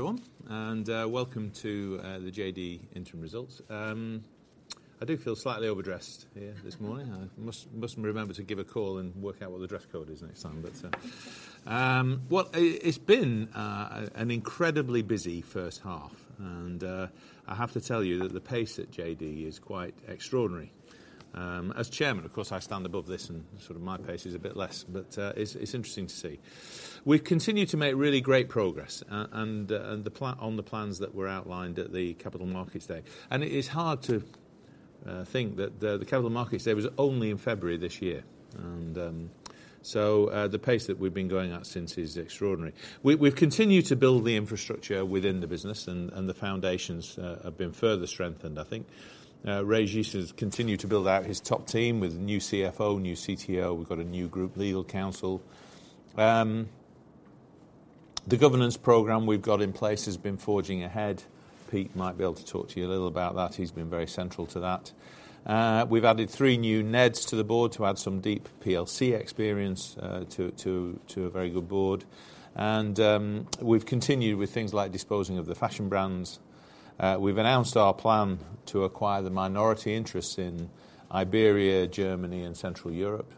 Good morning, everyone, and welcome to the JD interim results. I do feel slightly overdressed here this morning. I must remember to give a call and work out what the dress code is next time, but, well, it's been an incredibly busy first half, and I have to tell you that the pace at JD is quite extraordinary. As chairman, of course, I stand above this, and sort of my pace is a bit less, but it's interesting to see. We've continued to make really great progress, and the plans that were outlined at the Capital Markets Day. It is hard to think that the Capital Markets Day was only in February this year, and the pace that we've been going at since is extraordinary. We've continued to build the infrastructure within the business, and the foundations have been further strengthened, I think. Régis has continued to build out his top team with a new CFO, new CTO, we've got a new group legal counsel. The governance program we've got in place has been forging ahead. Pete might be able to talk to you a little about that. He's been very central to that. We've added three new NEDs to the board to add some deep PLC experience to a very good board. We've continued with things like disposing of the fashion brands. We've announced our plan to acquire the minority interests in Iberia, Germany and Central Europe.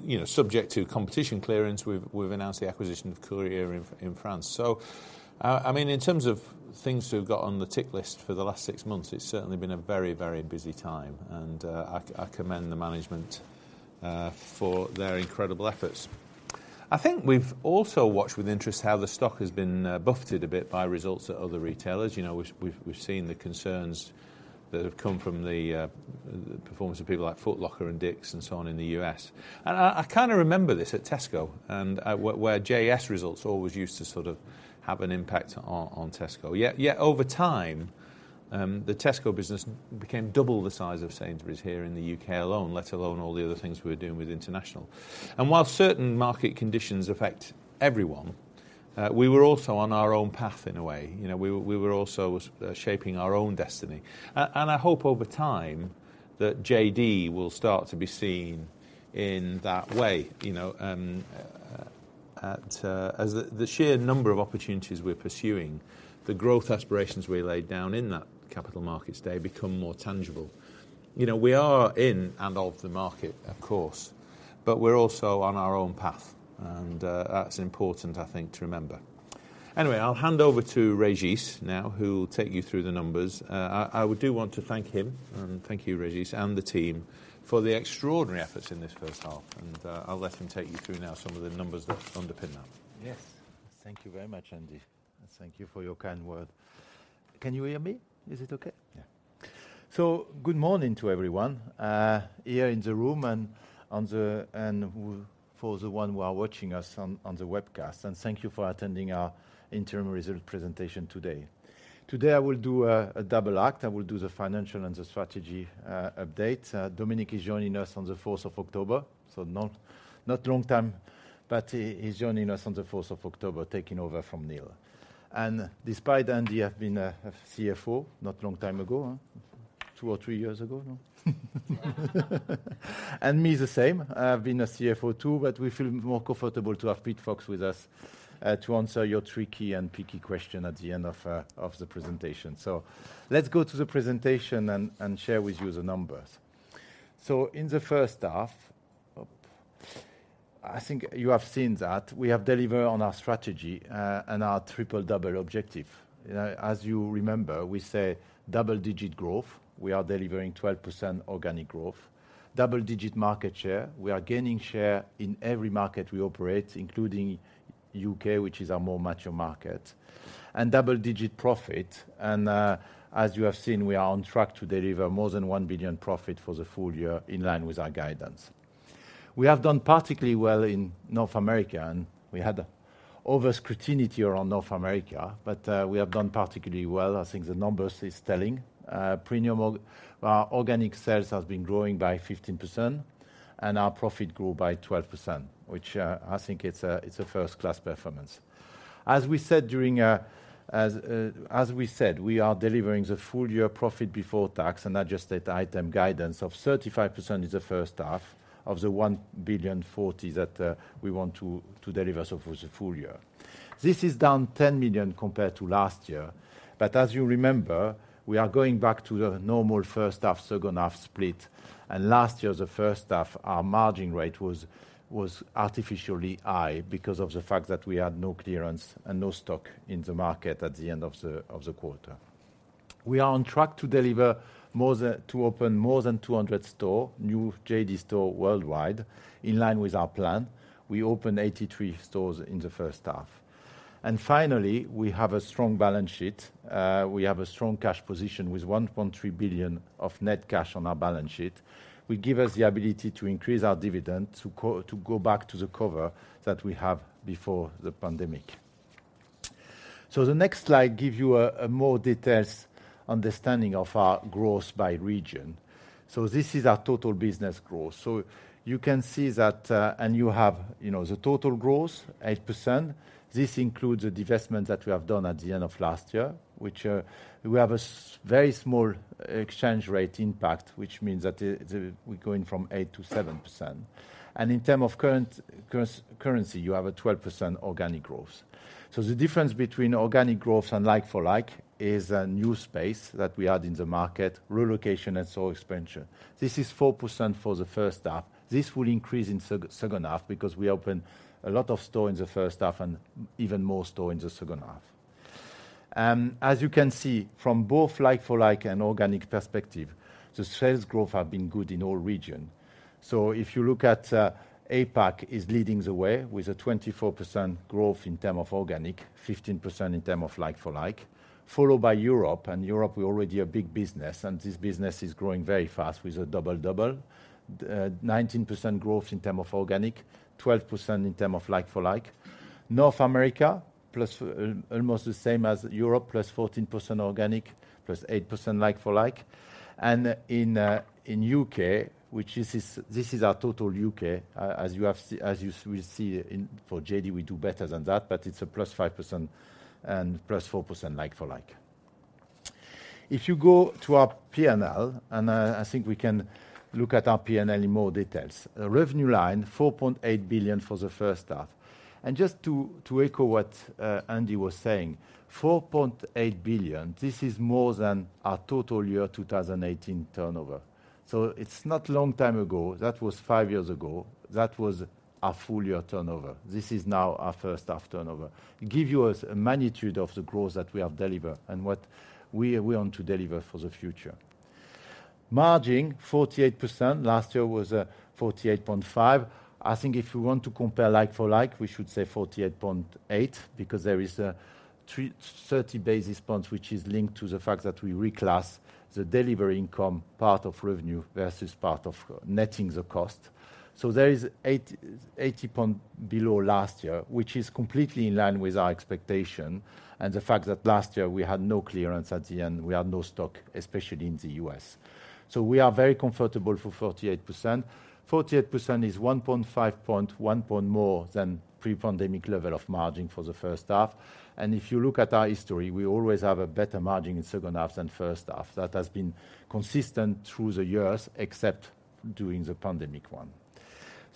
You know, subject to competition clearance, we've announced the acquisition of Courir in France. So, I mean, in terms of things we've got on the tick list for the last six months, it's certainly been a very, very busy time, and I commend the management for their incredible efforts. I think we've also watched with interest how the stock has been buffeted a bit by results at other retailers. You know, we've seen the concerns that have come from the performance of people like Foot Locker and DICK'S and so on in the U.S. I kind of remember this at Tesco and where JS results always used to sort of have an impact on Tesco. Yet over time, the Tesco business became double the size of Sainsbury's here in the U.K. alone, let alone all the other things we were doing with international. While certain market conditions affect everyone, we were also on our own path in a way. You know, we were also shaping our own destiny. I hope over time, that JD will start to be seen in that way, you know, as the sheer number of opportunities we're pursuing, the growth aspirations we laid down in that Capital Markets Day become more tangible. You know, we are in and of the market, of course, but we're also on our own path, and that's important, I think, to remember. Anyway, I'll hand over to Régis now, who will take you through the numbers. I do want to thank him, and thank you, Régis, and the team for the extraordinary efforts in this first half. I'll let him take you through now some of the numbers that underpin that. Yes. Thank you very much, Andy, and thank you for your kind word. Can you hear me? Is it okay? Yeah. Good morning to everyone here in the room and for the one who are watching us on the webcast, and thank you for attending our interim results presentation today. Today, I will do a double act. I will do the financial and the strategy update. Dominic is joining us on the fourth of October, so not long time, but he's joining us on the fourth of October, taking over from Neil. Despite Andy, I've been a CFO not long time ago, two or three years ago, no? And me the same, I've been a CFO too, but we feel more comfortable to have Pete Fox with us, to answer your tricky and picky question at the end of the presentation. So let's go to the presentation and share with you the numbers. So in the first half, I think you have seen that we have delivered on our strategy, and our triple-double objective. As you remember, we say double-digit growth. We are delivering 12% organic growth. Double-digit market share. We are gaining share in every market we operate, including UK, which is our more mature market, and double-digit profit, and, as you have seen, we are on track to deliver more than 1 billion profit for the full year, in line with our guidance. We have done particularly well in North America, and we had over scrutiny around North America, but we have done particularly well. I think the numbers is telling. Premium organic sales has been growing by 15%, and our profit grew by 12%, which I think it's a, it's a first-class performance. As we said, during, as we said, we are delivering the full-year profit before tax and adjusted item guidance of 35% in the first half of the 1 billion 40 that we want to deliver so for the full year. This is down 10 million compared to last year, but as you remember, we are going back to the normal first half, second half split. Last year, the first half, our margin rate was, was artificially high because of the fact that we had no clearance and no stock in the market at the end of the quarter. We are on track to deliver more than—to open more than 200 store, new JD store worldwide, in line with our plan. We opened 83 stores in the first half. Finally, we have a strong balance sheet. We have a strong cash position with $1.3 billion of net cash on our balance sheet, will give us the ability to increase our dividend, to go, to go back to the cover that we have before the pandemic. So the next slide give you a more detailed understanding of our growth by region. So this is our total business growth. So you can see that, and you have, you know, the total growth, 8%....this includes the divestment that we have done at the end of last year, which, we have a very small exchange rate impact, which means that the, the, we're going from 8% to 7%. And in terms of constant currency, you have a 12% organic growth. So the difference between organic growth and like-for-like is a new space that we add in the market, relocation and store expansion. This is 4% for the first half. This will increase in second half, because we open a lot of store in the first half and even more store in the second half. As you can see, from both like-for-like and organic perspective, the sales growth have been good in all region. If you look at APAC, it is leading the way with a 24% growth in term of organic, 15% in term of like-for-like, followed by Europe. Europe, we already a big business, and this business is growing very fast with a double double. 19% growth in term of organic, 12% in term of like-for-like. North America, plus f- almost the same as Europe, plus 14% organic, plus 8% like-for-like. In U.K., which this is, this is our total U.K., as you have se- as you will see in for JD, we do better than that, but it's a plus 5% and plus 4% like-for-like. If you go to our P&L, and I think we can look at our P&L in more details. Revenue line, 4.8 billion for the first half. Just to echo what Andy was saying, 4.8 billion, this is more than our total year 2018 turnover. It's not long time ago. That was five years ago. That was our full year turnover. This is now our first half turnover. Give you a magnitude of the growth that we have delivered and what we are going to deliver for the future. Margin, 48%. Last year was 48.5%. I think if we want to compare like-for-like, we should say 48.8%, because there is a 330 basis points, which is linked to the fact that we reclass the delivery income part of revenue versus part of netting the cost. So there is 88.0 point below last year, which is completely in line with our expectation and the fact that last year we had no clearance at the end. We had no stock, especially in the U.S.. So we are very comfortable for 48%. A 48% is 1.5 point, 1 point more than pre-pandemic level of margin for the first half. And if you look at our history, we always have a better margin in second half than first half. That has been consistent through the years, except during the pandemic one.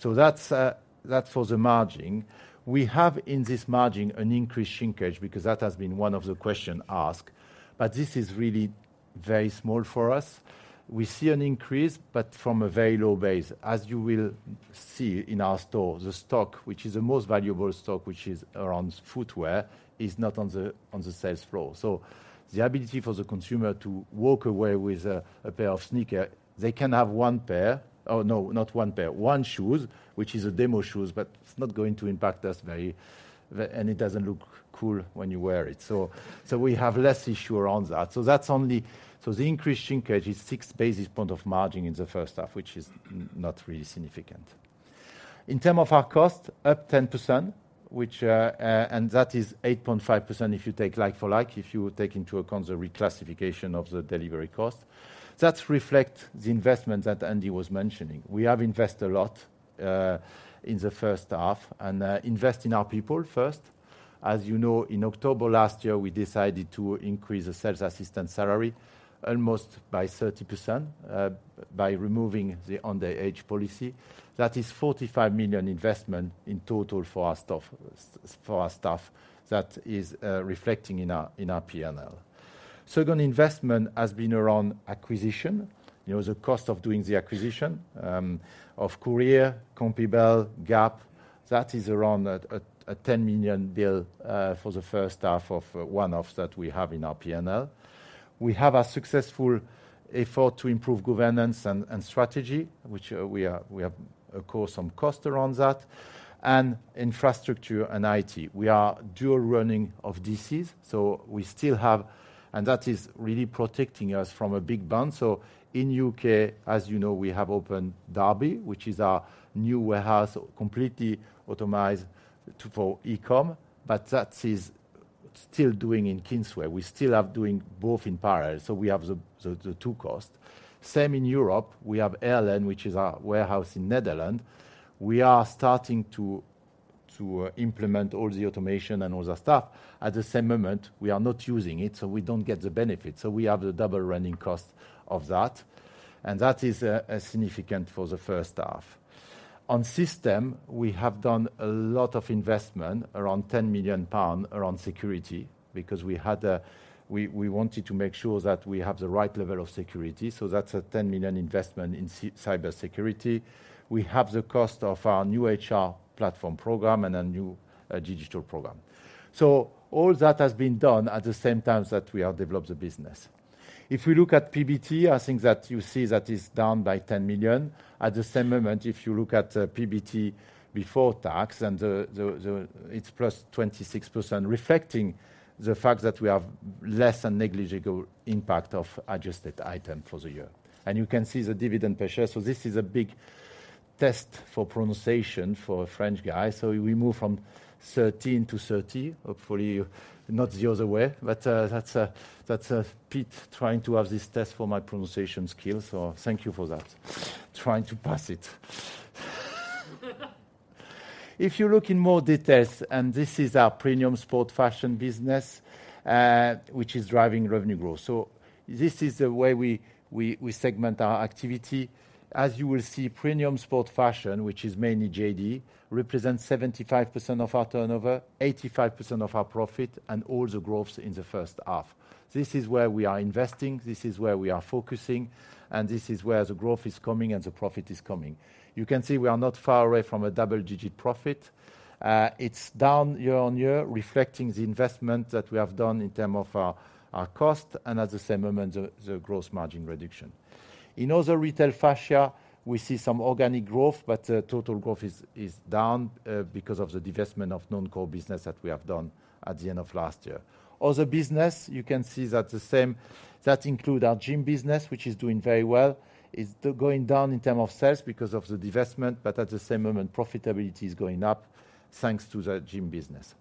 So that's, that's for the margin. We have, in this margin, an increased shrinkage, because that has been one of the questions asked, but this is really very small for us. We see an increase, but from a very low base. As you will see in our store, the stock, which is the most valuable stock, which is around footwear, is not on the sales floor. The ability for the consumer to walk away with a pair of sneakers, they can have one shoe, which is a demo shoe, but it's not going to impact us very, very much. It doesn't look cool when you wear it. We have less issue around that. The increased shrinkage is 6 basis points of margin in the first half, which is not really significant. In terms of our cost, up 10%, which, and that is 8.5% if you take like-for-like, if you take into account the reclassification of the delivery cost. That reflect the investment that Andy was mentioning. We have invest a lot, in the first half, and, invest in our people first. As you know, in October last year, we decided to increase the sales assistant salary almost by 30%, by removing the under age policy. That is 45 million investment in total for our staff, for our staff. That is, reflecting in our, in our P&L. Second investment has been around acquisition, you know, the cost of doing the acquisition, of Courir, Conbipel, Gap, that is around a, a, a 10 million deal, for the first half of one-off that we have in our P&L. We have a successful effort to improve governance and strategy, which we have, of course, some cost around that, and infrastructure and IT. We are dual running of DCs, so we still have... And that is really protecting us from a big bang. So in UK, as you know, we have opened Derby, which is our new warehouse, completely automated for e-com, but that is still doing in Kingsway. We still have doing both in parallel, so we have the two costs. Same in Europe, we have Heerlen, which is our warehouse in the Netherlands. We are starting to implement all the automation and all the stuff. At the same moment, we are not using it, so we don't get the benefit, so we have the double running cost of that, and that is significant for the first half. On system, we have done a lot of investment, around 10 million pounds, around security, because we had. We wanted to make sure that we have the right level of security, so that's a 10 million investment in cybersecurity. We have the cost of our new HR platform program and a new digital program. So all that has been done at the same time that we have developed the business. If we look at PBT, I think that you see that it's down by 10 million. At the same moment, if you look at PBT before tax and the. It's +26%, reflecting the fact that we have less than negligible impact of adjusted item for the year. And you can see the dividend per share. So this is a big test for pronunciation for a French guy. So we move from 13 to 30, hopefully not the other way. But, that's, that's, Pete trying to have this test for my pronunciation skills, so thank you for that... trying to pass it. If you look in more details, and this is our premium sport fashion business, which is driving revenue growth. So this is the way we segment our activity. As you will see, premium sport fashion, which is mainly JD, represents 75% of our turnover, 85% of our profit, and all the growth in the first half. This is where we are investing, this is where we are focusing, and this is where the growth is coming and the profit is coming. You can see we are not far away from a double-digit profit. It's down year on year, reflecting the investment that we have done in terms of our costs, and at the same moment, the gross margin reduction. In other retail fascias, we see some organic growth, but total growth is down because of the divestment of non-core business that we have done at the end of last year. Other business, you can see that the same, that include our gym business, which is doing very well. It's still going down in terms of sales because of the divestment, but at the same moment, profitability is going up, thanks to the gym business.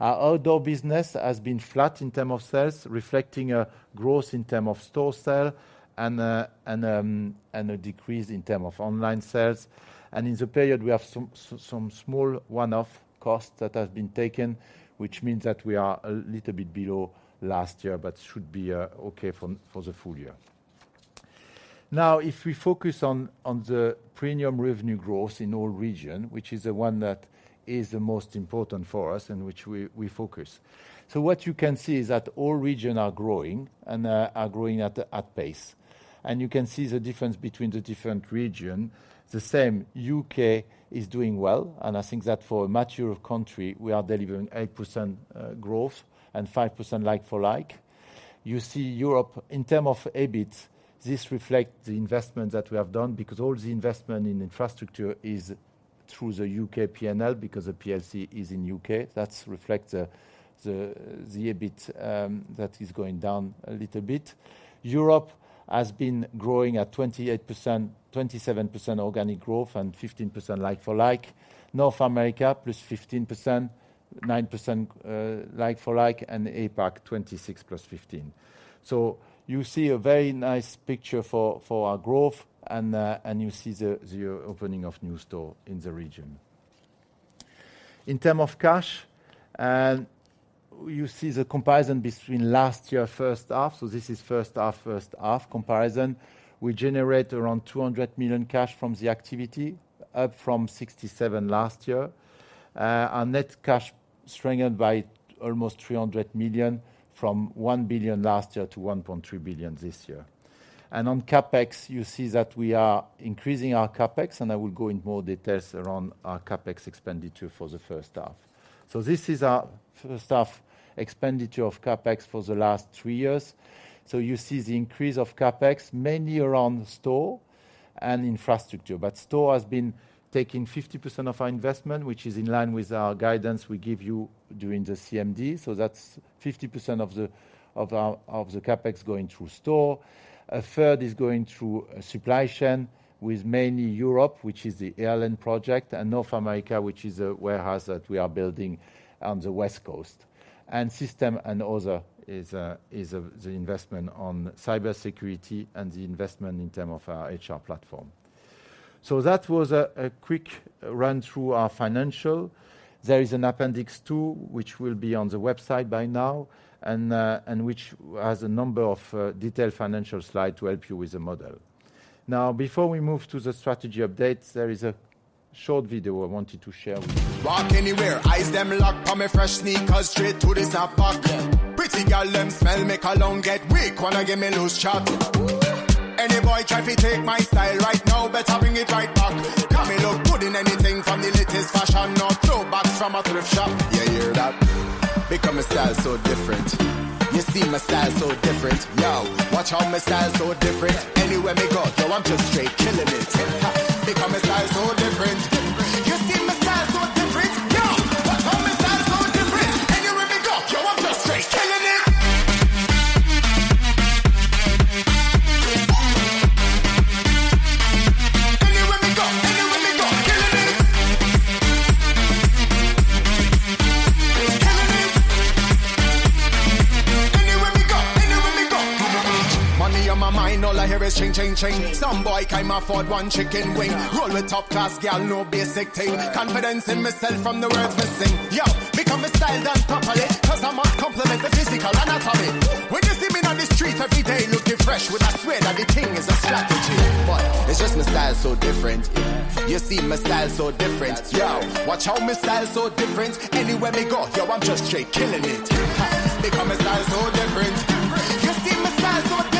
Our outdoor business has been flat in terms of sales, reflecting a growth in terms of store sales and a decrease in terms of online sales. In the period, we have some small one-off costs that have been taken, which means that we are a little bit below last year, but should be okay for the full year. Now, if we focus on the premium revenue growth in all regions, which is the one that is the most important for us and which we focus. So what you can see is that all regions are growing and are growing at a pace. And you can see the difference between the different regions. The same, U.K. is doing well, and I think that for a mature country, we are delivering 8% growth and 5% like-for-like. You see Europe, in terms of EBIT, this reflects the investment that we have done because all the investment in infrastructure is through the U.K. P&L, because the PLC is in U.K.. That reflects the EBIT that is going down a little bit. Europe has been growing at 28%, 27% organic growth and 15% like-for-like. North America +15%, 9% like-for-like, and APAC 26% +15%. So you see a very nice picture for our growth, and you see the opening of new store in the region. In terms of cash, and you see the comparison between last year first half, so this is first half, first half comparison. We generate around 200 million cash from the activity, up from 67 million last year. Our net cash strengthened by almost 300 million, from 1 billion last year to 1.3 billion this year. And on CapEx, you see that we are increasing our CapEx, and I will go in more details around our CapEx expenditure for the first half. So this is our first half expenditure of CapEx for the last three years. So you see the increase of CapEx, mainly around store and infrastructure. But store has been taking 50% of our investment, which is in line with our guidance we give you during the CMD. So that's 50% of the, of our, of the CapEx going through store. A third is going through supply chain with mainly Europe, which is the airline project, and North America, which is a warehouse that we are building on the West Coast. And systems and others is the investment on cybersecurity and the investment in terms of our HR platform. So that was a quick run through our financials. There is an Appendix 2, which will be on the website by now, and which has a number of detailed financial slides to help you with the model. Now, before we move to the strategy updates, there is a short video I wanted to share with you. Walk anywhere, eyes them lock on my fresh sneakers straight to the south park. Pretty girl them smell, make a long get weak when I give me loose chalk. Any boy try to take my style right now, better bring it right back. Got me look good in anything from the latest fashion or toolbox from a thrift shop. You hear that? Become a style so different. You see my style so different. Yo, watch how my style so different. Anywhere me go, yo, I'm just straight killing it. Become a style so different. You see my style so different.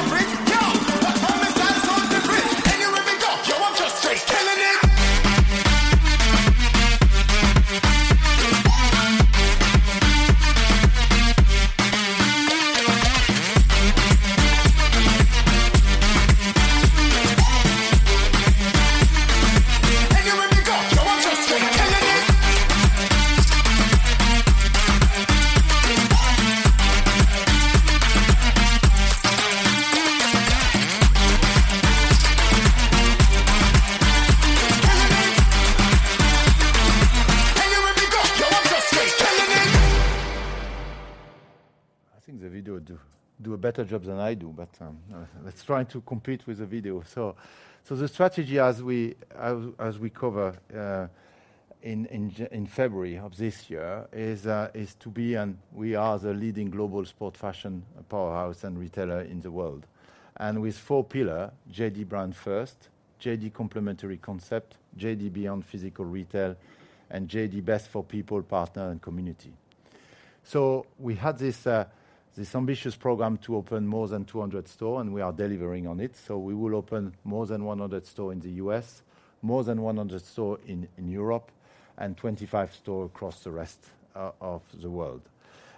ambitious program to open more than 200 store, and we are delivering on it. So we will open more than 100 store in the US, more than 100 store in Europe, and 25 store across the rest of the world.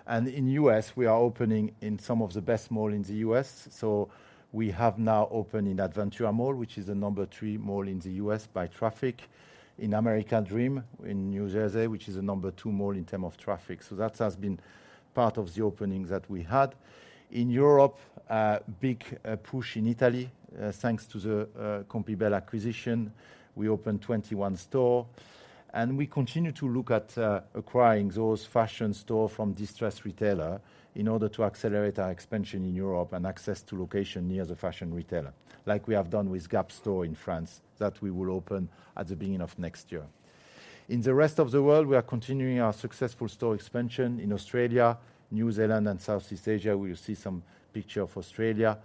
And in US, we are opening in some of the best mall in the US. We have now opened in Aventura Mall, which is the number three mall in the U.S. by traffic, in American Dream in New Jersey, which is the number two mall in terms of traffic. That has been part of the opening that we had. In Europe, a big push in Italy, thanks to the Conbipel acquisition. We opened 21 stores, and we continue to look at acquiring those fashion stores from distressed retailers in order to accelerate our expansion in Europe and access to locations near the fashion retailers, like we have done with Gap stores in France, that we will open at the beginning of next year. In the rest of the world, we are continuing our successful store expansion in Australia, New Zealand, and Southeast Asia. We will see some pictures of Australia.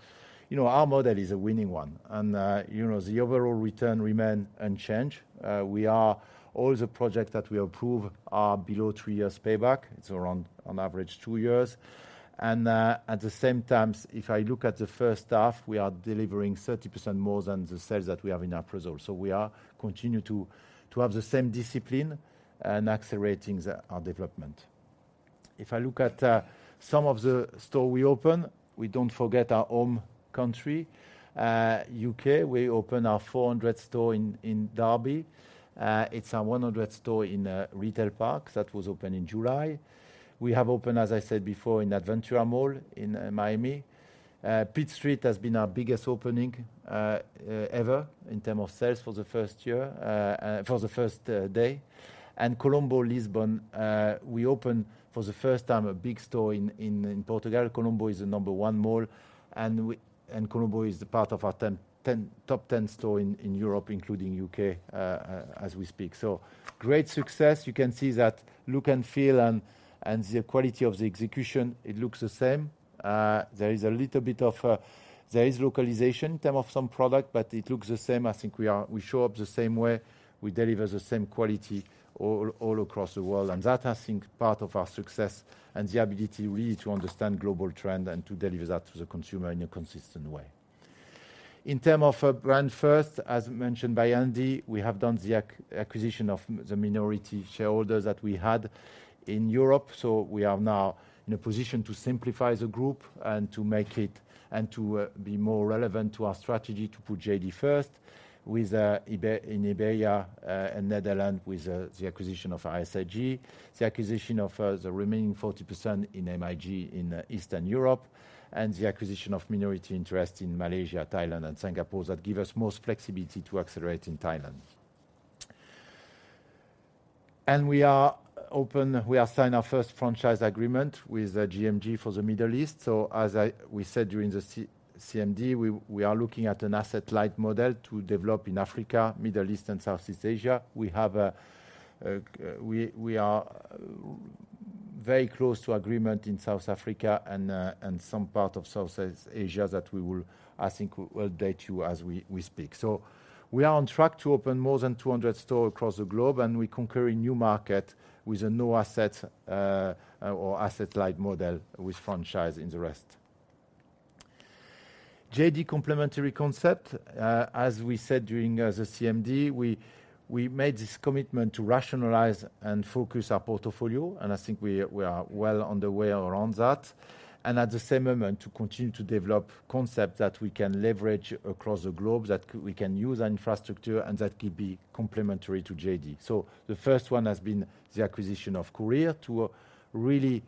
You know, our model is a winning one, and, you know, the overall return remain unchanged. We are all the project that we approve are below 3 years payback. It's around on average 2 years. And, at the same times, if I look at the first half, we are delivering 30% more than the sales that we have in our result. So we are continue to have the same discipline and accelerating the, our development. If I look at some of the store we open, we don't forget our home country, UK. We open our 400th store in Derby. It's our 100th store in a retail park that was opened in July. We have opened, as I said before, in Aventura Mall in Miami. Pitt Street has been our biggest opening ever in terms of sales for the first year, for the first day. Colombo, Lisbon, we opened for the first time a big store in Portugal. Colombo is the number one mall, and Colombo is part of our top 10 store in Europe, including the U.K., as we speak. Great success. You can see that look and feel and the quality of the execution, it looks the same. There is a little bit of localization in terms of some product, but it looks the same. I think we show up the same way, we deliver the same quality all across the world, and that, I think, part of our success and the ability really to understand global trend and to deliver that to the consumer in a consistent way. In terms of brand first, as mentioned by Andy, we have done the acquisition of the minority shareholders that we had in Europe. So we are now in a position to simplify the group and to make it, and to be more relevant to our strategy to put JD first with in Iberia and Netherlands, with the acquisition of ISRG, the acquisition of the remaining 40% in MIG in Eastern Europe, and the acquisition of minority interest in Malaysia, Thailand, and Singapore that give us most flexibility to accelerate in Thailand. We are open, we have signed our first franchise agreement with GMG for the Middle East. As we said during the CMD, we are looking at an asset-light model to develop in Africa, Middle East, and Southeast Asia. We are very close to agreement in South Africa and some part of Southeast Asia that we will, I think, update you as we speak. We are on track to open more than 200 stores across the globe, and we conquer a new market with a no asset, or asset-light model with franchise in the rest. JD complementary concept, as we said during the CMD, we made this commitment to rationalize and focus our portfolio, and I think we are well on the way around that, and at the same moment, to continue to develop concept that we can leverage across the globe, that we can use our infrastructure and that can be complementary to JD. So the first one has been the acquisition of Courir to really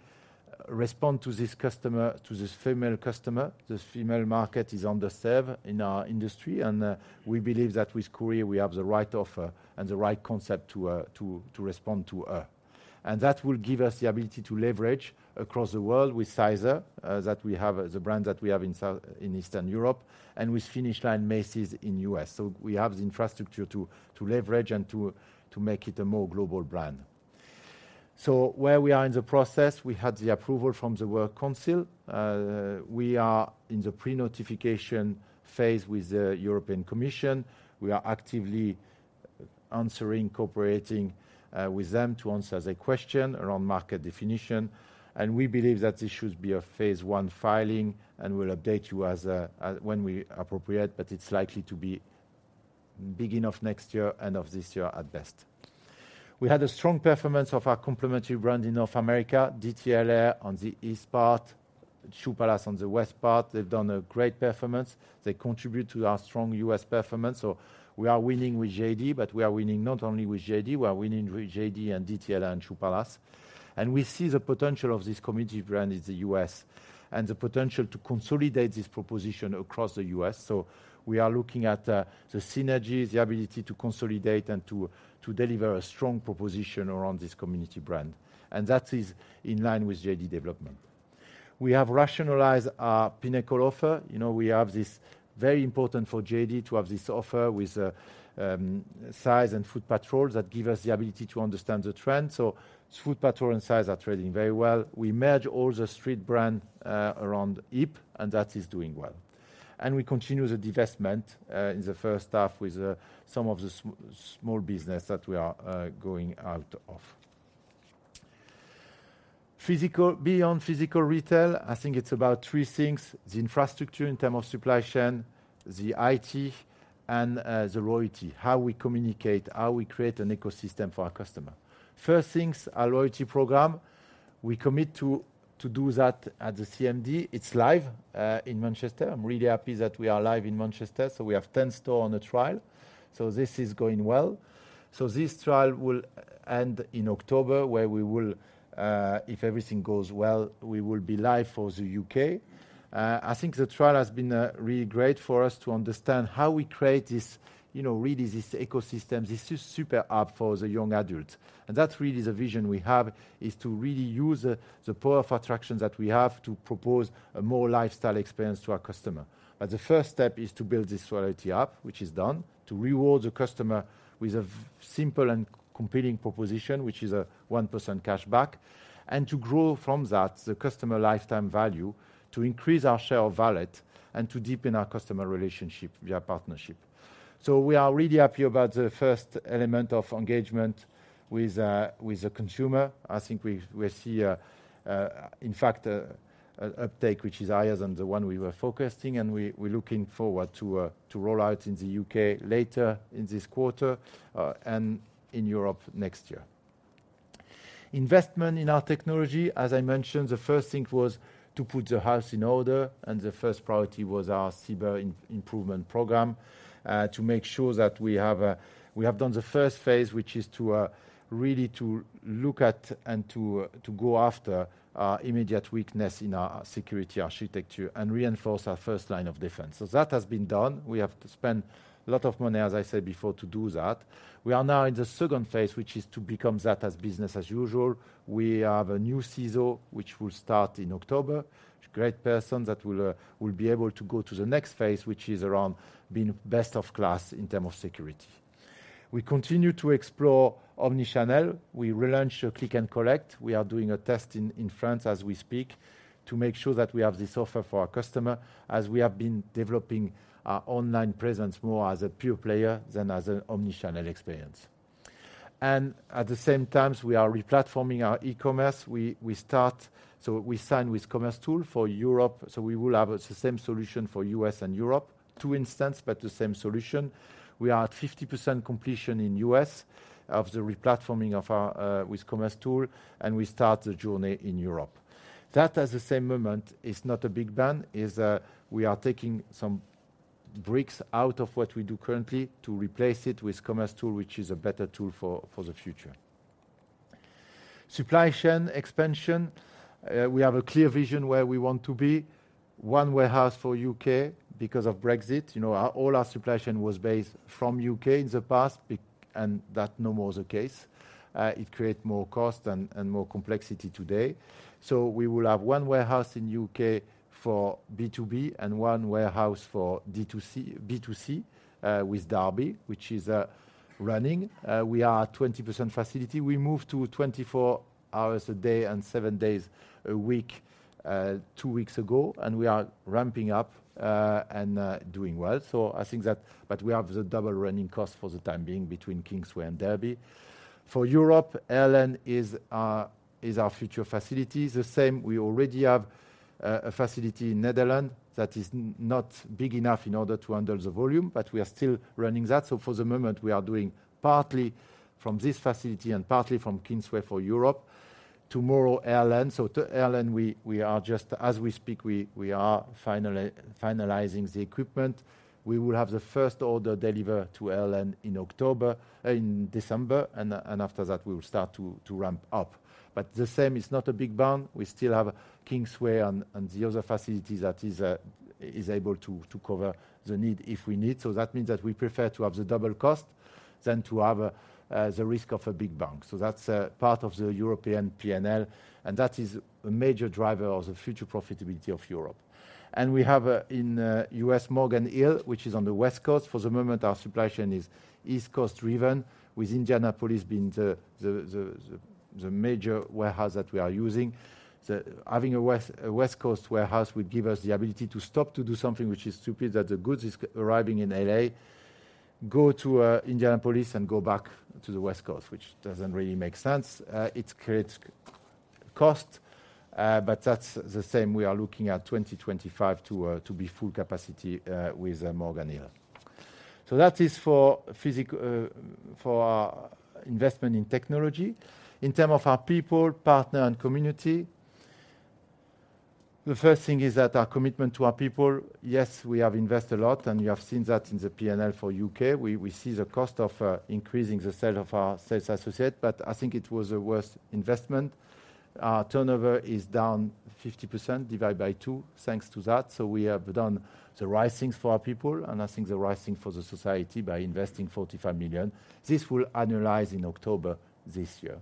respond to this customer, to this female customer. This female market is underserved in our industry, and we believe that with Courir, we have the right offer and the right concept to respond to her. And that will give us the ability to leverage across the world with size?, that we have, the brand that we have in Eastern Europe and with Finish Line Macy's in the U.S. So we have the infrastructure to leverage and to make it a more global brand. So where we are in the process, we had the approval from the work council. We are in the pre-notification phase with the European Commission. We are actively answering, cooperating with them to answer the question around market definition, and we believe that this should be a phase one filing, and we'll update you as and when appropriate, but it's likely to be beginning of next year, end of this year at best. We had a strong performance of our complementary brand in North America, DTLR on the east part, Shoe Palace on the west part. They've done a great performance. They contribute to our strong US performance. So we are winning with JD, but we are winning not only with JD, we are winning with JD and DTLR and Shoe Palace, and we see the potential of this community brand in the US and the potential to consolidate this proposition across the US. So we are looking at the synergies, the ability to consolidate and to deliver a strong proposition around this community brand, and that is in line with JD development. We have rationalized our Pinnacle offer. You know, we have this very important for JD to have this offer with size? and Footpatrol that give us the ability to understand the trend. So Footpatrol and size? are trading very well. We merge all the street brand around JD, and that is doing well. And we continue the divestment in the first half with some of the small business that we are going out of. Beyond physical retail, I think it's about three things: the infrastructure in term of supply chain, the IT, and the loyalty. How we communicate, how we create an ecosystem for our customer. First things, our loyalty program, we commit to do that at the CMD. It's live in Manchester. I'm really happy that we are live in Manchester, so we have 10 stores on the trial. So this is going well. So this trial will end in October, where we will, if everything goes well, we will be live for the UK. I think the trial has been really great for us to understand how we create this, you know, really this ecosystem. This is super app for the young adult. And that's really the vision we have, is to really use the power of attractions that we have to propose a more lifestyle experience to our customer. But the first step is to build this loyalty app, which is done, to reward the customer with a very simple and competing proposition, which is a 1% cashback, and to grow from that, the Customer Lifetime Value, to increase our Share of Wallet and to deepen our customer relationship via partnership. So we are really happy about the first element of engagement with the consumer. I think we see, in fact, an uptake, which is higher than the one we were forecasting, and we're looking forward to roll out in the UK later in this quarter, and in Europe next year. Investment in our technology, as I mentioned, the first thing was to put the house in order, and the first priority was our cyber improvement program, to make sure that we have done the first phase, which is to really look at and go after our immediate weakness in our security architecture and reinforce our first line of defense. So that has been done. We have to spend a lot of money, as I said before, to do that. We are now in the second phase, which is to become that as business as usual. We have a new CISO, which will start in October, a great person that will be able to go to the next phase, which is around being best of class in term of security. We continue to explore omni-channel. We relaunch Click and Collect. We are doing a test in France as we speak, to make sure that we have this offer for our customer as we have been developing our online presence more as a pure player than as an omni-channel experience. At the same time, we are re-platforming our e-commerce. We sign with commercetools for Europe, so we will have the same solution for US and Europe. Two instance, but the same solution. We are at 50% completion in US of the re-platforming with commercetools, and we start the journey in Europe. That, at the same moment, is not a big bang, is, we are taking some bricks out of what we do currently to replace it with commercetools, which is a better tool for, for the future. Supply chain expansion, we have a clear vision where we want to be. One warehouse for UK because of Brexit. You know, our, all our supply chain was based from UK in the past and that no more is the case. It create more cost and, and more complexity today. So we will have one warehouse in UK for B2B and one warehouse for D2C, B2C, with Derby, which is, running. We are at 20% facility. We moved to 24 hours a day and 7 days a week, two weeks ago, and we are ramping up, and, doing well. I think that we have the double running cost for the time being between Kingsway and Derby. For Europe, Heerlen is our future facility. The same, we already have a facility in Netherlands that is not big enough in order to handle the volume, but we are still running that. For the moment, we are doing partly from this facility and partly from Kingsway for Europe. Tomorrow, Heerlen. To Heerlen, we are just... as we speak, we are finalizing the equipment. We will have the first order delivered to Heerlen in October, in December, and after that, we will start to ramp up. The same, it is not a big bang. We still have Kingsway and the other facility that is able to cover the need if we need. So that means that we prefer to have the double cost than to have the risk of a big bang. So that's a part of the European P&L, and that is a major driver of the future profitability of Europe. And we have in U.S., Morgan Hill, which is on the West Coast. For the moment, our supply chain is East Coast driven, with Indianapolis being the major warehouse that we are using. Having a West Coast warehouse would give us the ability to stop to do something which is stupid, that the goods is arriving in L.A., go to Indianapolis and go back to the West Coast, which doesn't really make sense. It creates cost, but that's the same. We are looking at 2025 to be full capacity with Morgan Hill. That is for physic, for our investment in technology. In terms of our people, partner, and community, the first thing is that our commitment to our people, yes, we have invested a lot, and you have seen that in the PNL for the U.K. We see the cost of increasing the sale of our sales associate, but I think it was a worth investment. Our turnover is down 50%, divided by two, thanks to that. We have done the right things for our people, and I think the right thing for the society by investing 45 million. This will annualize in October this year.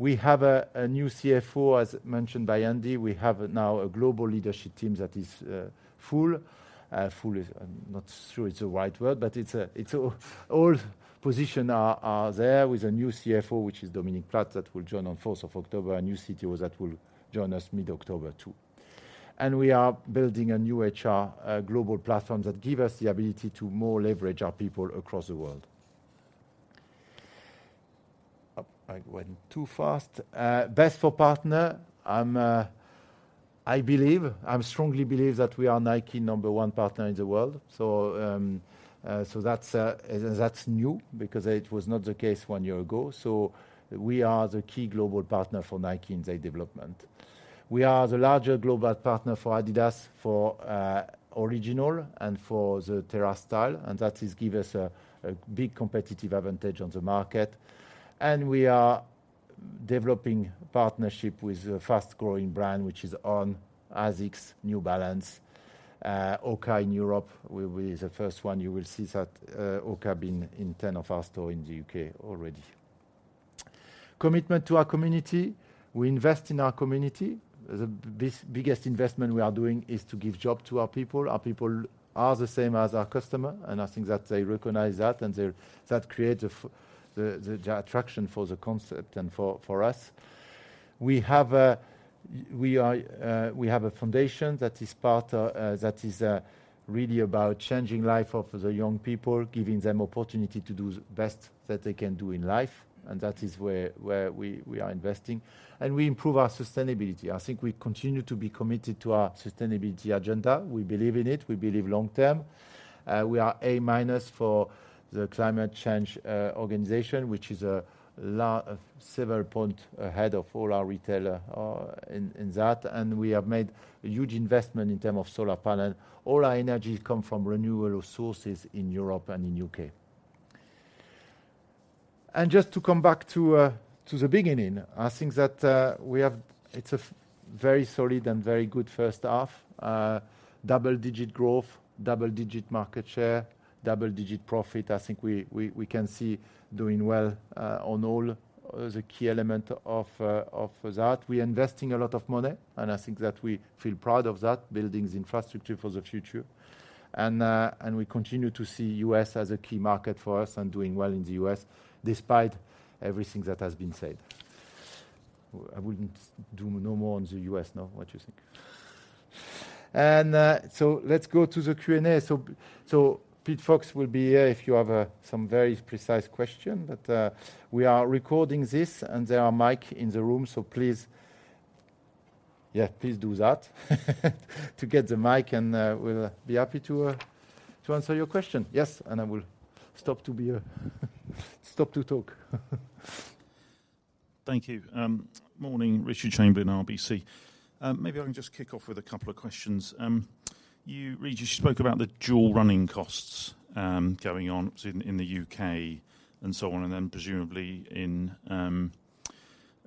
We have a new CFO, as mentioned by Andy. We have now a global leadership team that is full. Full is not sure it's the right word, but all positions are there with a new CFO, which is Dominic Platt, that will join on fourth of October, a new CTO that will join us mid-October, too. We are building a new HR global platform that give us the ability to more leverage our people across the world. I went too fast. Best for partner, I believe, I strongly believe that we are Nike number one partner in the world. So that's new because it was not the case one year ago. So we are the key global partner for Nike in their development. We are the larger global partner for Adidas, for Originals and for the Terrace, and that is give us a big competitive advantage on the market. We are developing partnership with a fast-growing brand, which is On, ASICS, New Balance, HOKA in Europe, will be the first one. You will see that HOKA be in ten of our store in the U.K. already. Commitment to our community. We invest in our community. The biggest investment we are doing is to give job to our people. Our people are the same as our customer, and I think that they recognize that, and they're... That create a f- the, the attraction for the concept and for, for us. We have a, y- we are, we have a foundation that is part, that is, really about changing life of the young people, giving them opportunity to do the best that they can do in life, and that is where, where we, we are investing. We improve our sustainability. I think we continue to be committed to our sustainability agenda. We believe in it. We believe long term. We are A-minus for the climate change organization, which is several points ahead of all our retailers in that, and we have made a huge investment in terms of solar panels. All our energy comes from renewable sources in Europe and in the U.K. Just to come back to the beginning, I think that we have... It's a very solid and very good first half. Double-digit growth, double-digit market share, double-digit profit. I think we can see doing well on all the key elements of that. We're investing a lot of money, and I think that we feel proud of that, building the infrastructure for the future. We continue to see the U.S. as a key market for us and doing well in the U.S., despite everything that has been said. I wouldn't do no more on the U.S. now. What you think? So let's go to the Q&A. So Pete Fox will be here if you have some very precise question. But we are recording this, and there are mics in the room, so please, yeah, please do that to get the mic, and we'll be happy to to answer your question. Yes, and I will stop to talk. Thank you. Morning, Richard Chamberlain, RBC. Maybe I can just kick off with a couple of questions. You, Régis, you spoke about the dual running costs going on in the U.K. and so on, and then presumably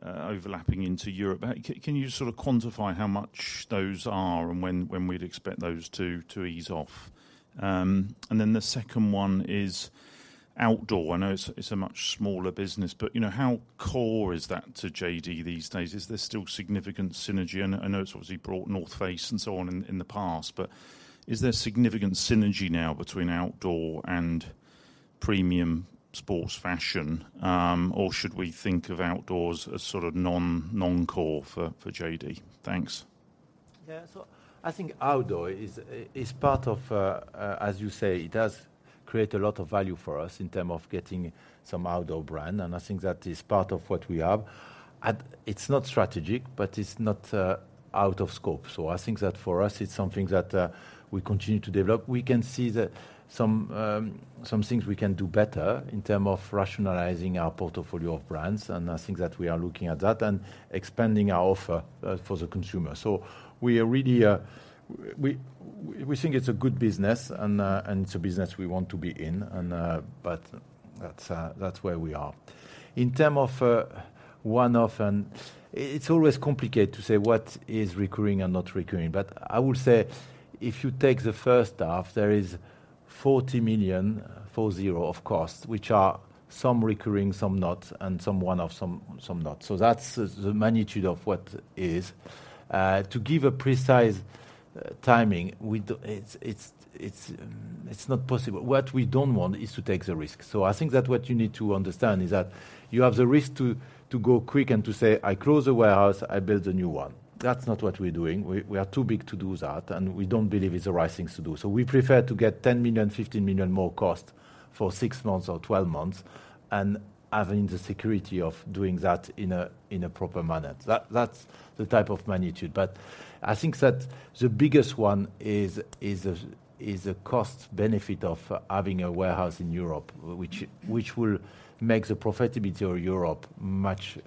overlapping into Europe. Can you sort of quantify how much those are and when we'd expect those to ease off? The second one is outdoor. I know it's a much smaller business, but, you know, how core is that to JD these days? Is there still significant synergy? I know it's obviously brought North Face and so on in the past, but is there significant synergy now between outdoor and premium sports fashion? Should we think of outdoors as sort of non-core for JD? Thanks. Yeah. So I think outdoor is part of, as you say, it does create a lot of value for us in term of getting some outdoor brand, and I think that is part of what we have. And it's not strategic, but it's not out of scope. So I think that for us, it's something that we continue to develop. We can see that some some things we can do better in term of rationalizing our portfolio of brands, and I think that we are looking at that and expanding our offer for the consumer. So we are really, we think it's a good business, and, and it's a business we want to be in, and... But that's, that's where we are. In terms of one-off, it's always complicated to say what is recurring and not recurring, but I would say if you take the first half, there is 40 million of cost, which are some recurring, some not, and some one-off, some not. So that's the magnitude of what it is. To give a precise timing, it's not possible. What we don't want is to take the risk. So I think that what you need to understand is that you have the risk to go quick and to say, "I close the warehouse, I build a new one." That's not what we're doing. We are too big to do that, and we don't believe it's the right things to do. So we prefer to get 10 million, 15 million more cost for 6 months or 12 months and having the security of doing that in a proper manner. That's the type of magnitude. But I think that the biggest one is a cost benefit of having a warehouse in Europe, which will make the profitability of Europe much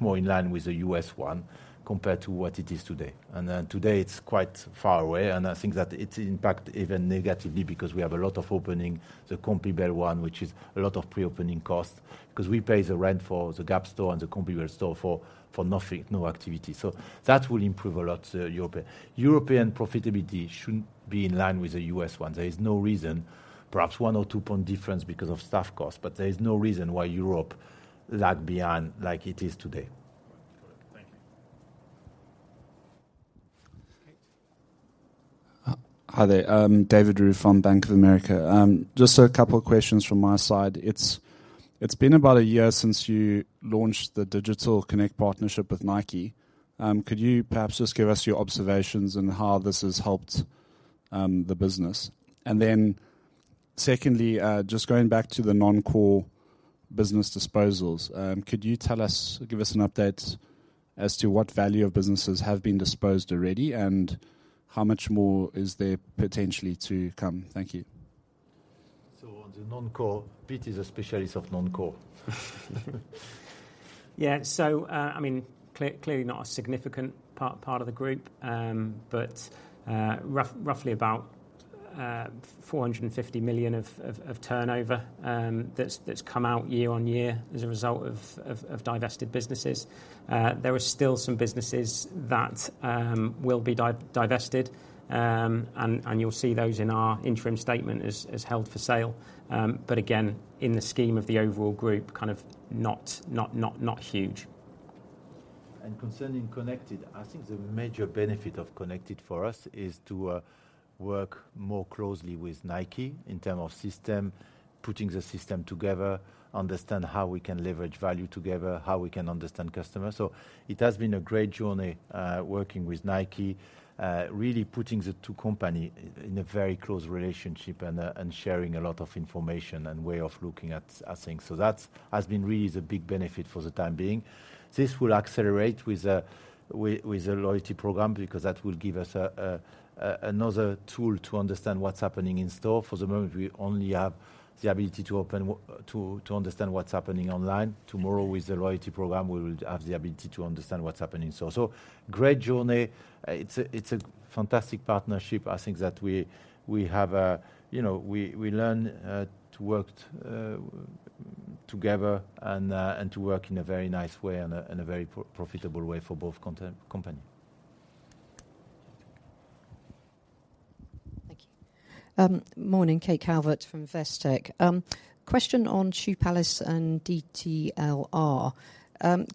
more in line with the US one, compared to what it is today. And today, it's quite far away, and I think that it impact even negatively because we have a lot of opening the Compiègne one, which is a lot of pre-opening costs, because we pay the rent for the Gap store and the Compiègne store for nothing, no activity. So that will improve a lot, Europe. European profitability should be in line with the US one. There is no reason, perhaps 1 or 2 point difference because of staff cost, but there is no reason why Europe lag behind like it is today. Hi there, David Bardin from Bank of America. Just a couple of questions from my side. It's been about a year since you launched the Digital Connect partnership with Nike. Could you perhaps just give us your observations on how this has helped the business? Secondly, just going back to the non-core business disposals, could you tell us, give us an update as to what value of businesses have been disposed already, and how much more is there potentially to come? Thank you. On the non-core, Pete is a specialist of non-core. Yeah. So, I mean, clearly not a significant part of the group. But, roughly about 450 million of turnover, that's come out year on year as a result of divested businesses. There are still some businesses that will be divested. And, you'll see those in our interim statement as held for sale. But again, in the scheme of the overall group, kind of not huge. Concerning Connected, I think the major benefit of Connected for us is to work more closely with Nike in terms of system, putting the system together, understand how we can leverage value together, how we can understand customers. So it has been a great journey, working with Nike, really putting the two companies in a very close relationship and sharing a lot of information and way of looking at things. So that's been really the big benefit for the time being. This will accelerate with the loyalty program because that will give us another tool to understand what's happening in store. For the moment, we only have the ability to understand what's happening online. Tomorrow, with the loyalty program, we will have the ability to understand what's happening in store. So great journey. It's a fantastic partnership. I think that we have a... You know, we learn to work together and to work in a very nice way and in a very profitable way for both companies. Thank you. Morning, Kate Calvert from Investec. Question on Shoe Palace and DTLR.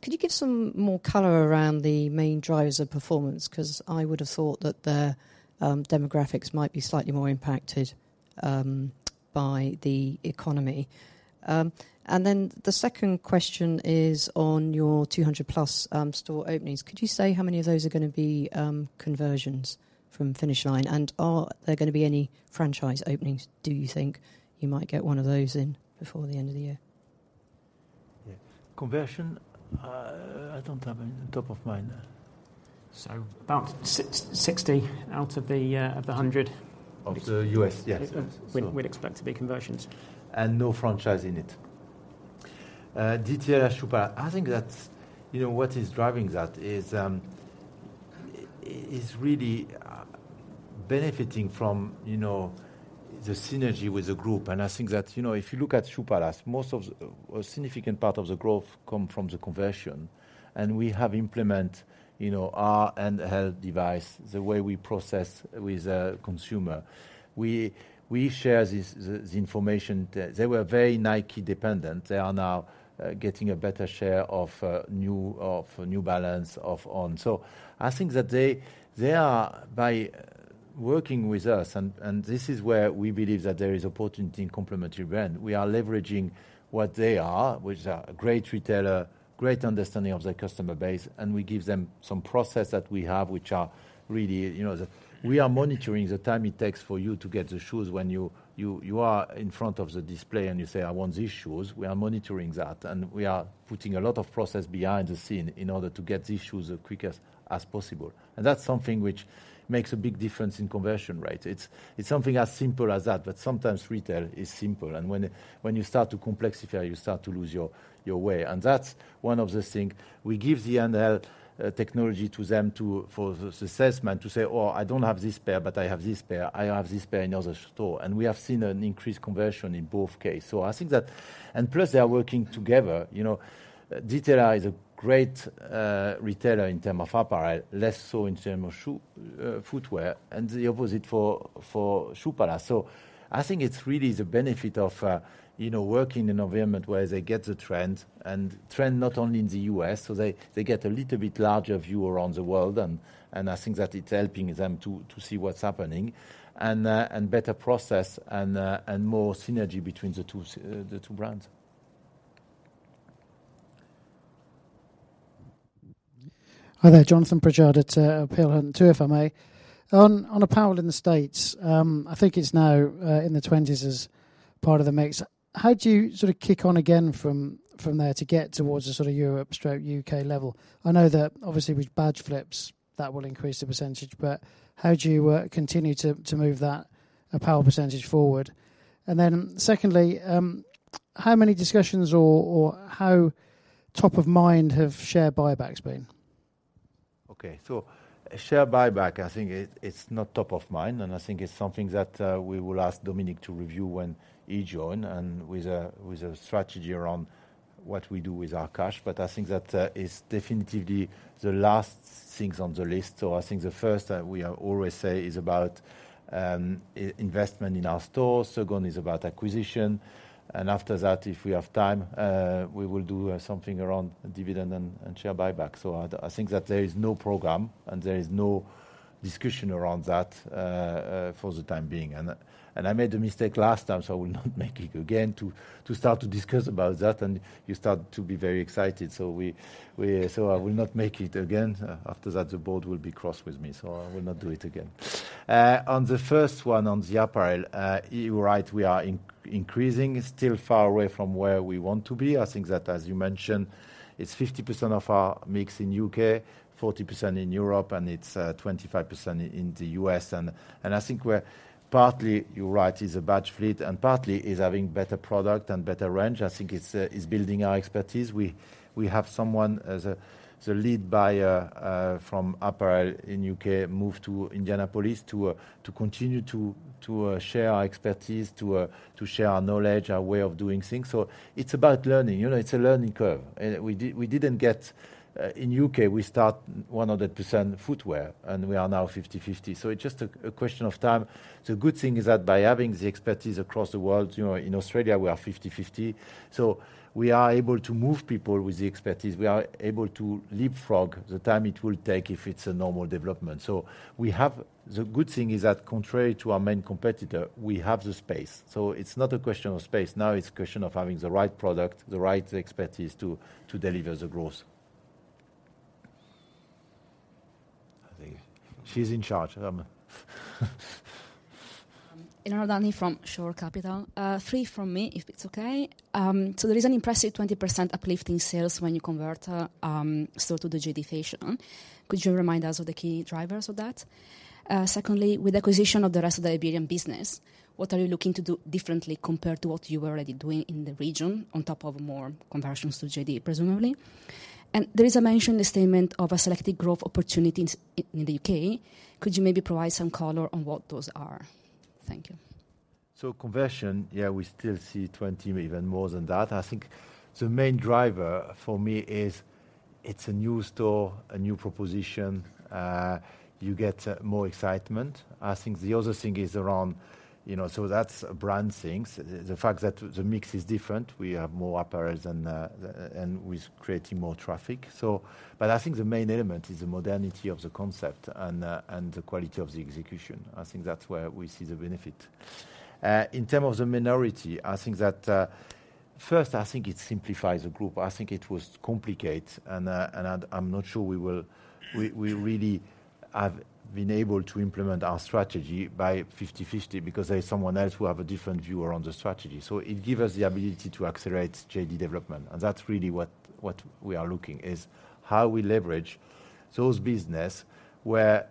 Could you give some more color around the main drivers of performance? 'Cause I would have thought that their demographics might be slightly more impacted by the economy. And then the second question is on your 200+ store openings. Could you say how many of those are gonna be conversions from Finish Line? And are there gonna be any franchise openings, do you think you might get one of those in before the end of the year? Yeah. Conversion, I don't have in the top of mind. About 60 out of the, of the 100- Of the U.S., yes. We'd expect to be conversions. No franchise in it. DTLR, Shoe Palace, I think that's, you know, what is driving that is really benefiting from, you know, the synergy with the group. And I think that, you know, if you look at Shoe Palace, most of the... A significant part of the growth come from the conversion, and we have implement, you know, our NL device, the way we process with the consumer. We, we share this, the, the information. They, they were very Nike-dependent. They are now getting a better share of New Balance of On. So I think that they, they are by working with us, and, and this is where we believe that there is opportunity in complementary brand. We are leveraging what they are, which are a great retailer, great understanding of their customer base, and we give them some process that we have, which are really, you know, we are monitoring the time it takes for you to get the shoes when you are in front of the display and you say: "I want these shoes." We are monitoring that, and we are putting a lot of process behind the scene in order to get these shoes the quickest as possible. And that's something which makes a big difference in conversion rate. It's something as simple as that, but sometimes retail is simple, and when you start to complexify, you start to lose your way. And that's one of the thing. We give the NL technology to them for the assessment, to say: "Oh, I don't have this pair, but I have this pair. I have this pair in other store." We have seen an increased conversion in both case. I think that, plus, they are working together. You know, DTLR is a great retailer in term of apparel, less so in term of shoe, footwear, and the opposite for Shoe Palace. I think it's really the benefit of, you know, working in environment where they get the trend, and trend not only in the U.S., so they get a little bit larger view around the world. I think that it's helping them to see what's happening, and better process and more synergy between the two, the two brands. Hi there, Jonathan Pritchard at Peel Hunt. Two, if I may. On apparel in the States, I think it's now in the 20s as part of the mix. How do you sort of kick on again from there to get towards the sort of Europe straight U.K. level? I know that obviously with badge flips, that will increase the percentage, but how do you continue to move that apparel percentage forward? Secondly, how many discussions or how top of mind have share buybacks been? Okay. Share buyback, I think it's not top of mind, and I think it's something that we will ask Dominic to review when he joins, with a strategy around what we do with our cash. I think that is definitely the last thing on the list. I think the first, we always say, is about investment in our stores, second is about acquisition, and after that, if we have time, we will do something around dividend and share buyback. I think that there is no program, and there is no discussion around that for the time being. I made a mistake last time, so I will not make it again, to start to discuss about that, and you start to be very excited. So I will not make it again. After that, the board will be cross with me, so I will not do it again. On the first one, on the apparel, you're right, we are increasing. Still far away from where we want to be. I think that, as you mentioned, it's 50% of our mix in UK, 40% in Europe, and it's 25% in the US. And I think we're partly, you're right, is a batch fleet, and partly is having better product and better range. I think it's building our expertise. We have someone as the lead buyer from apparel in UK, moved to Indianapolis to continue to share our expertise, to share our knowledge, our way of doing things. So it's about learning. You know, it's a learning curve, and we didn't get... In UK, we start 100% footwear, and we are now 50/50, so it's just a question of time. The good thing is that by having the expertise across the world, you know, in Australia we are 50/50, so we are able to move people with the expertise. We are able to leapfrog the time it will take if it's a normal development. So we have-- The good thing is that contrary to our main competitor, we have the space. So it's not a question of space, now it's a question of having the right product, the right expertise to deliver the growth. I think she's in charge. Elena Dani from Shore Capital. Three from me, if it's okay. So there is an impressive 20% uplift in sales when you convert a store to the JD Fashion. Could you remind us of the key drivers of that? Secondly, with acquisition of the rest of the Iberian business, what are you looking to do differently compared to what you were already doing in the region, on top of more conversions to JD, presumably? There is a mentioned statement of selected growth opportunities in the UK. Could you maybe provide some color on what those are? Thank you. So conversion, yeah, we still see 20, even more than that. I think the main driver for me is it's a new store, a new proposition, you get more excitement. I think the other thing is around, you know, so that's brand things. The fact that the mix is different, we have more apparel than the... And we're creating more traffic. So, but I think the main element is the modernity of the concept and the quality of the execution. I think that's where we see the benefit. In terms of the minority, I think that first, I think it simplifies the group. I think it was complicated, and I, I'm not sure we really have been able to implement our strategy by 50/50 because there is someone else who have a different view around the strategy. So it give us the ability to accelerate JD development, and that's really what, what we are looking, is how we leverage those business where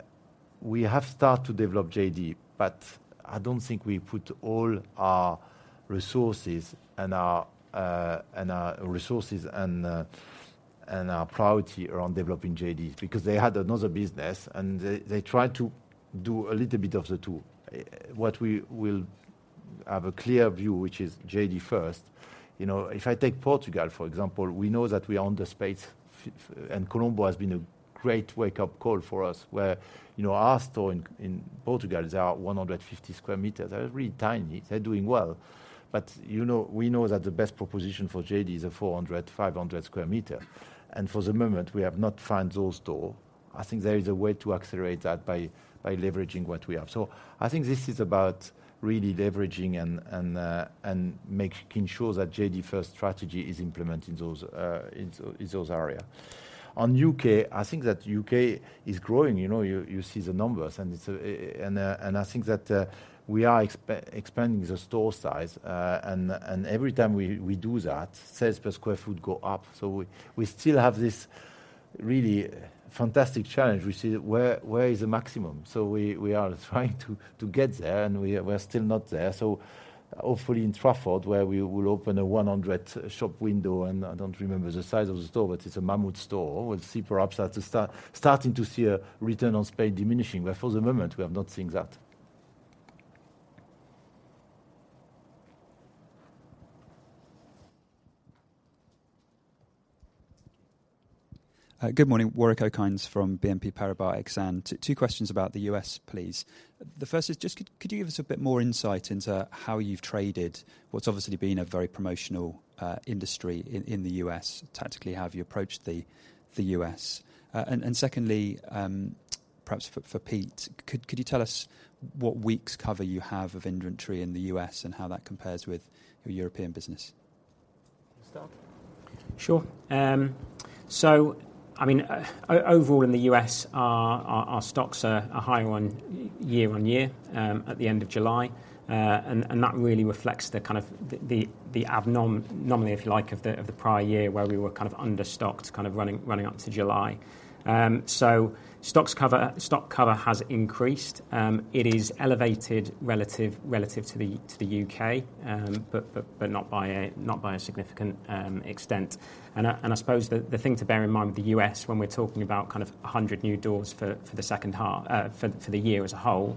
we have start to develop JD, but I don't think we put all our resources and our, and our resources and the, and our priority around developing JD. Because they had another business, and they, they tried to do a little bit of the two. What we will have a clear view, which is JD first. You know, if I take Portugal, for example, we know that we are on the space f- and Colombo has been a great wake-up call for us, where, you know, our store in, in Portugal is about 150 square meters. They're really tiny. They're doing well. But you know, we know that the best proposition for JD is a 400-500 square meter, and for the moment, we have not found those stores. I think there is a way to accelerate that by leveraging what we have. So I think this is about really leveraging and making sure that JD first strategy is implemented in those areas. On UK, I think that UK is growing. You know, you see the numbers, and it's... And I think that we are expanding the store size. And every time we do that, sales per square foot go up. So we still have this really fantastic challenge, which is where is the maximum? So we are trying to get there, and we are still not there. Hopefully in Trafford, where we will open a 100 shop window, and I don't remember the size of the store, but it's a mammoth store. We'll see perhaps as to starting to see a return on space diminishing, but for the moment, we have not seen that. Good morning. Warwick Okines from BNP Paribas, and two questions about the U.S., please. The first is just could you give us a bit more insight into how you've traded what's obviously been a very promotional industry in the U.S.? Tactically, how have you approached the U.S.? And secondly, perhaps for Pete, could you tell us what weeks cover you have of inventory in the U.S. and how that compares with your European business? You start? Sure. So I mean, overall, in the U.S., our stocks are higher on year-on-year, at the end of July. And that really reflects the kind of the anomaly, if you like, of the prior year, where we were kind of understocked, kind of running up to July. So stock cover has increased. It is elevated relative to the U.K., but not by a significant extent.... And I suppose the thing to bear in mind with the U.S. when we're talking about kind of 100 new doors for the second half, for the year as a whole,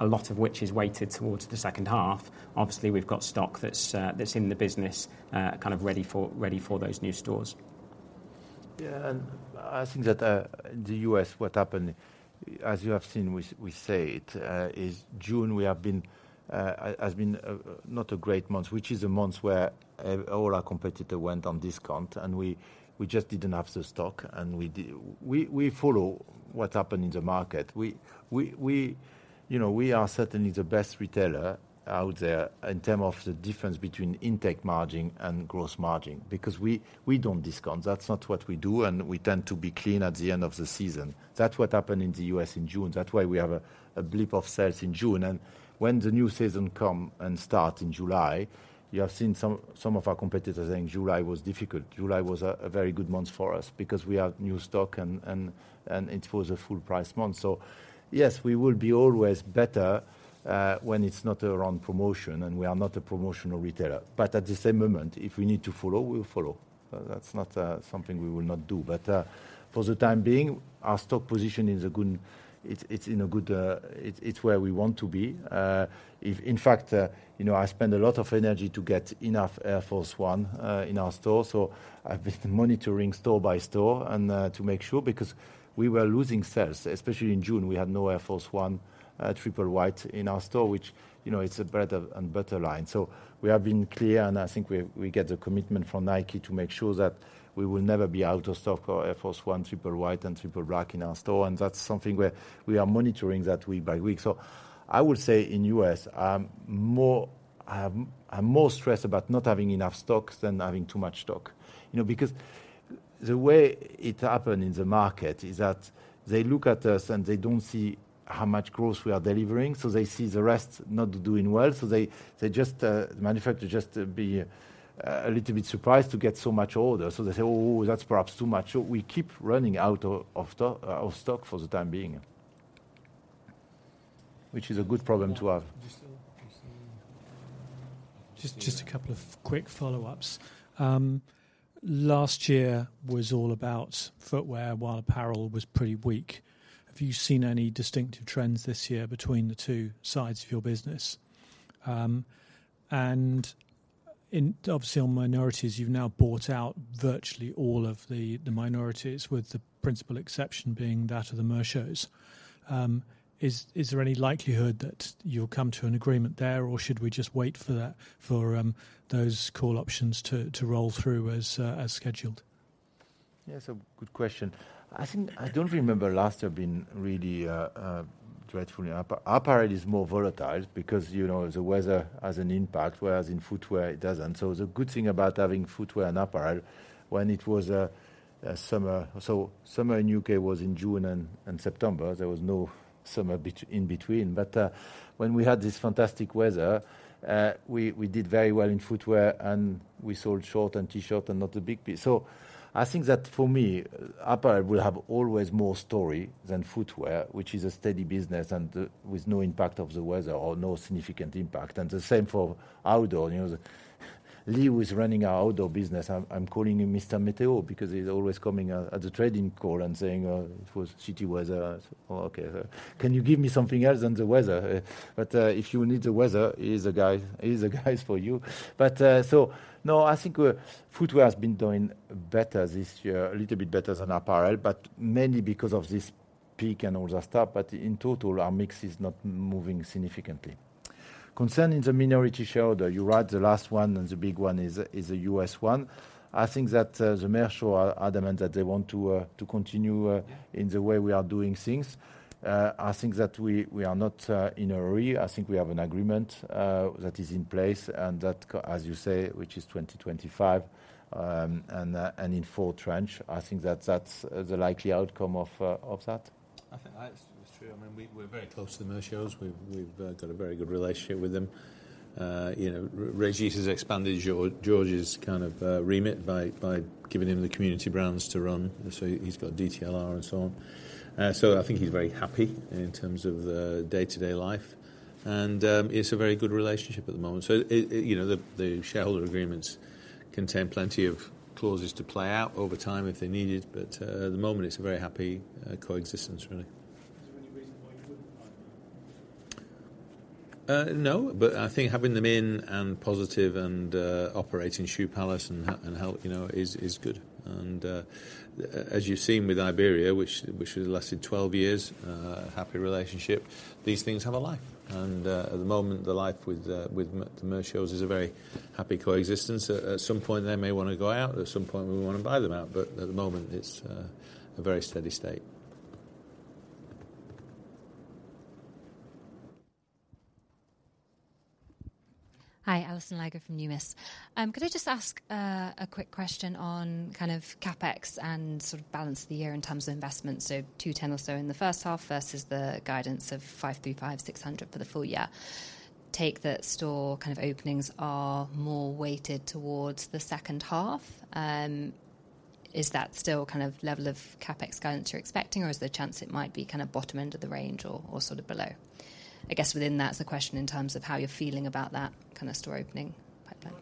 a lot of which is weighted towards the second half, obviously, we've got stock that's in the business, kind of ready for those new stores. Yeah, and I think that in the US, what happened, as you have seen, we say it is June. It has been not a great month, which is a month where all our competitor went on discount, and we just didn't have the stock, and we follow what happened in the market. You know, we are certainly the best retailer out there in term of the difference between intake margin and gross margin because we don't discount. That's not what we do, and we tend to be clean at the end of the season. That's what happened in the US in June. That's why we have a blip of sales in June, and when the new season come and start in July, you have seen some of our competitors saying July was difficult. July was a very good month for us because we have new stock and it was a full price month. Yes, we will be always better when it's not around promotion, and we are not a promotional retailer. At the same moment, if we need to follow, we will follow. That's not something we will not do. For the time being, our stock position is a good... It's in a good, it's where we want to be. In fact, you know, I spend a lot of energy to get enough Air Force 1 in our store, so I've been monitoring store by store and to make sure, because we were losing sales, especially in June. We had no Air Force 1 Triple White in our store, which, you know, it's a bread and butter line. So we have been clear, and I think we get the commitment from Nike to make sure that we will never be out of stock for Air Force 1 Triple White and Triple Black in our store, and that's something where we are monitoring that week by week. So I would say in the U.S., I'm more stressed about not having enough stocks than having too much stock. You know, because the way it happened in the market is that they look at us, and they don't see how much growth we are delivering, so they see the rest not doing well, so they, they just, manufacturer just, be, a little bit surprised to get so much orders. So they say, "Oh, that's perhaps too much." So we keep running out of, of stock, of stock for the time being, which is a good problem to have. Just a couple of quick follow-ups. Last year was all about footwear, while apparel was pretty weak. Have you seen any distinctive trends this year between the two sides of your business? Obviously, on minorities, you've now bought out virtually all of the minorities, with the principal exception being that of the Mershos. Is there any likelihood that you'll come to an agreement there, or should we just wait for that, for those call options to roll through as scheduled? Yeah, it's a good question. I think I don't remember last year being really dreadful in apparel. Apparel is more volatile because, you know, the weather has an impact, whereas in footwear, it doesn't. The good thing about having footwear and apparel, when it was a summer... Summer in the U.K. was in June and September. There was no summer in between. When we had this fantastic weather, we did very well in footwear, and we sold short and T-shirt and not a big piece. I think that for me, apparel will always have more story than footwear, which is a steady business with no impact of the weather or no significant impact, and the same for outdoor. You know, Lee, who is running our outdoor business, I'm calling him Mr. Meteo because he's always coming at the trading call and saying, "It was weather." Okay, can you give me something else than the weather? If you need the weather, he's the guy, he's the guy for you. I think footwear has been doing better this year, a little bit better than apparel, but mainly because of this peak and all that stuff. In total, our mix is not moving significantly. Concerning the minority shareholder, you're right, the last one and the big one is the U.S. one. I think that the Mersho are adamant that they want to continue in the way we are doing things. I think that we are not in a hurry. I think we have an agreement that is in place and that as you say, which is 2025, and in four tranche. I think that that's the likely outcome of that. I think that's true. I mean, we, we're very close to the Mershos. We've, we've got a very good relationship with them. You know, Régis has expanded George's kind of remit by giving him the community brands to run, so he's got DTLR and so on. I think he's very happy in terms of the day-to-day life, and, you know, it's a very good relationship at the moment. It, you know, the shareholder agreements contain plenty of clauses to play out over time if they're needed, but at the moment, it's a very happy coexistence, really. Is there any reason why you wouldn't buy them out? No, but I think having them in and positive and operating Shoe Palace and help, you know, is good. As you've seen with Iberia, which has lasted 12 years, happy relationship, these things have a life. At the moment, the life with the Mershos is a very happy coexistence. At some point, they may wanna go out, at some point, we may wanna buy them out, but at the moment, it's a very steady state. Hi, Alison Lygo from Numis. Could I just ask a quick question on kind of CapEx and sort of balance of the year in terms of investments? So 210 million or so in the first half versus the guidance of 500 million-600 million for the full year. Take that store kind of openings are more weighted towards the second half. Is that still kind of level of CapEx guidance you're expecting, or is there a chance it might be kind of bottom end of the range or sort of below? I guess within that is the question in terms of how you're feeling about that kind of store opening pipeline.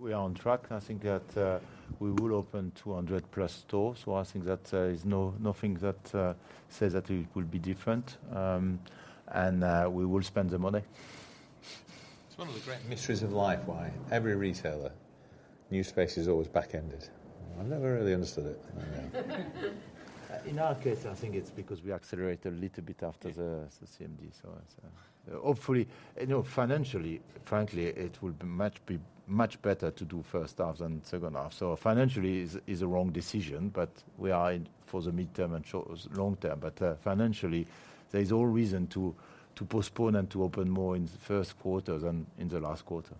We are on track. I think that we will open 200+ stores, so I think that is nothing that says that it will be different. And we will spend the money. It's one of the great mysteries of life, why every retailer, new space is always back-ended. I've never really understood it. In our case, I think it's because we accelerate a little bit after the CMD, so hopefully... You know, financially, frankly, it would be much better to do first half than second half. So financially, is a wrong decision, but we are in for the midterm and short, long term. But financially, there's all reason to postpone and to open more in the first quarter than in the last quarter.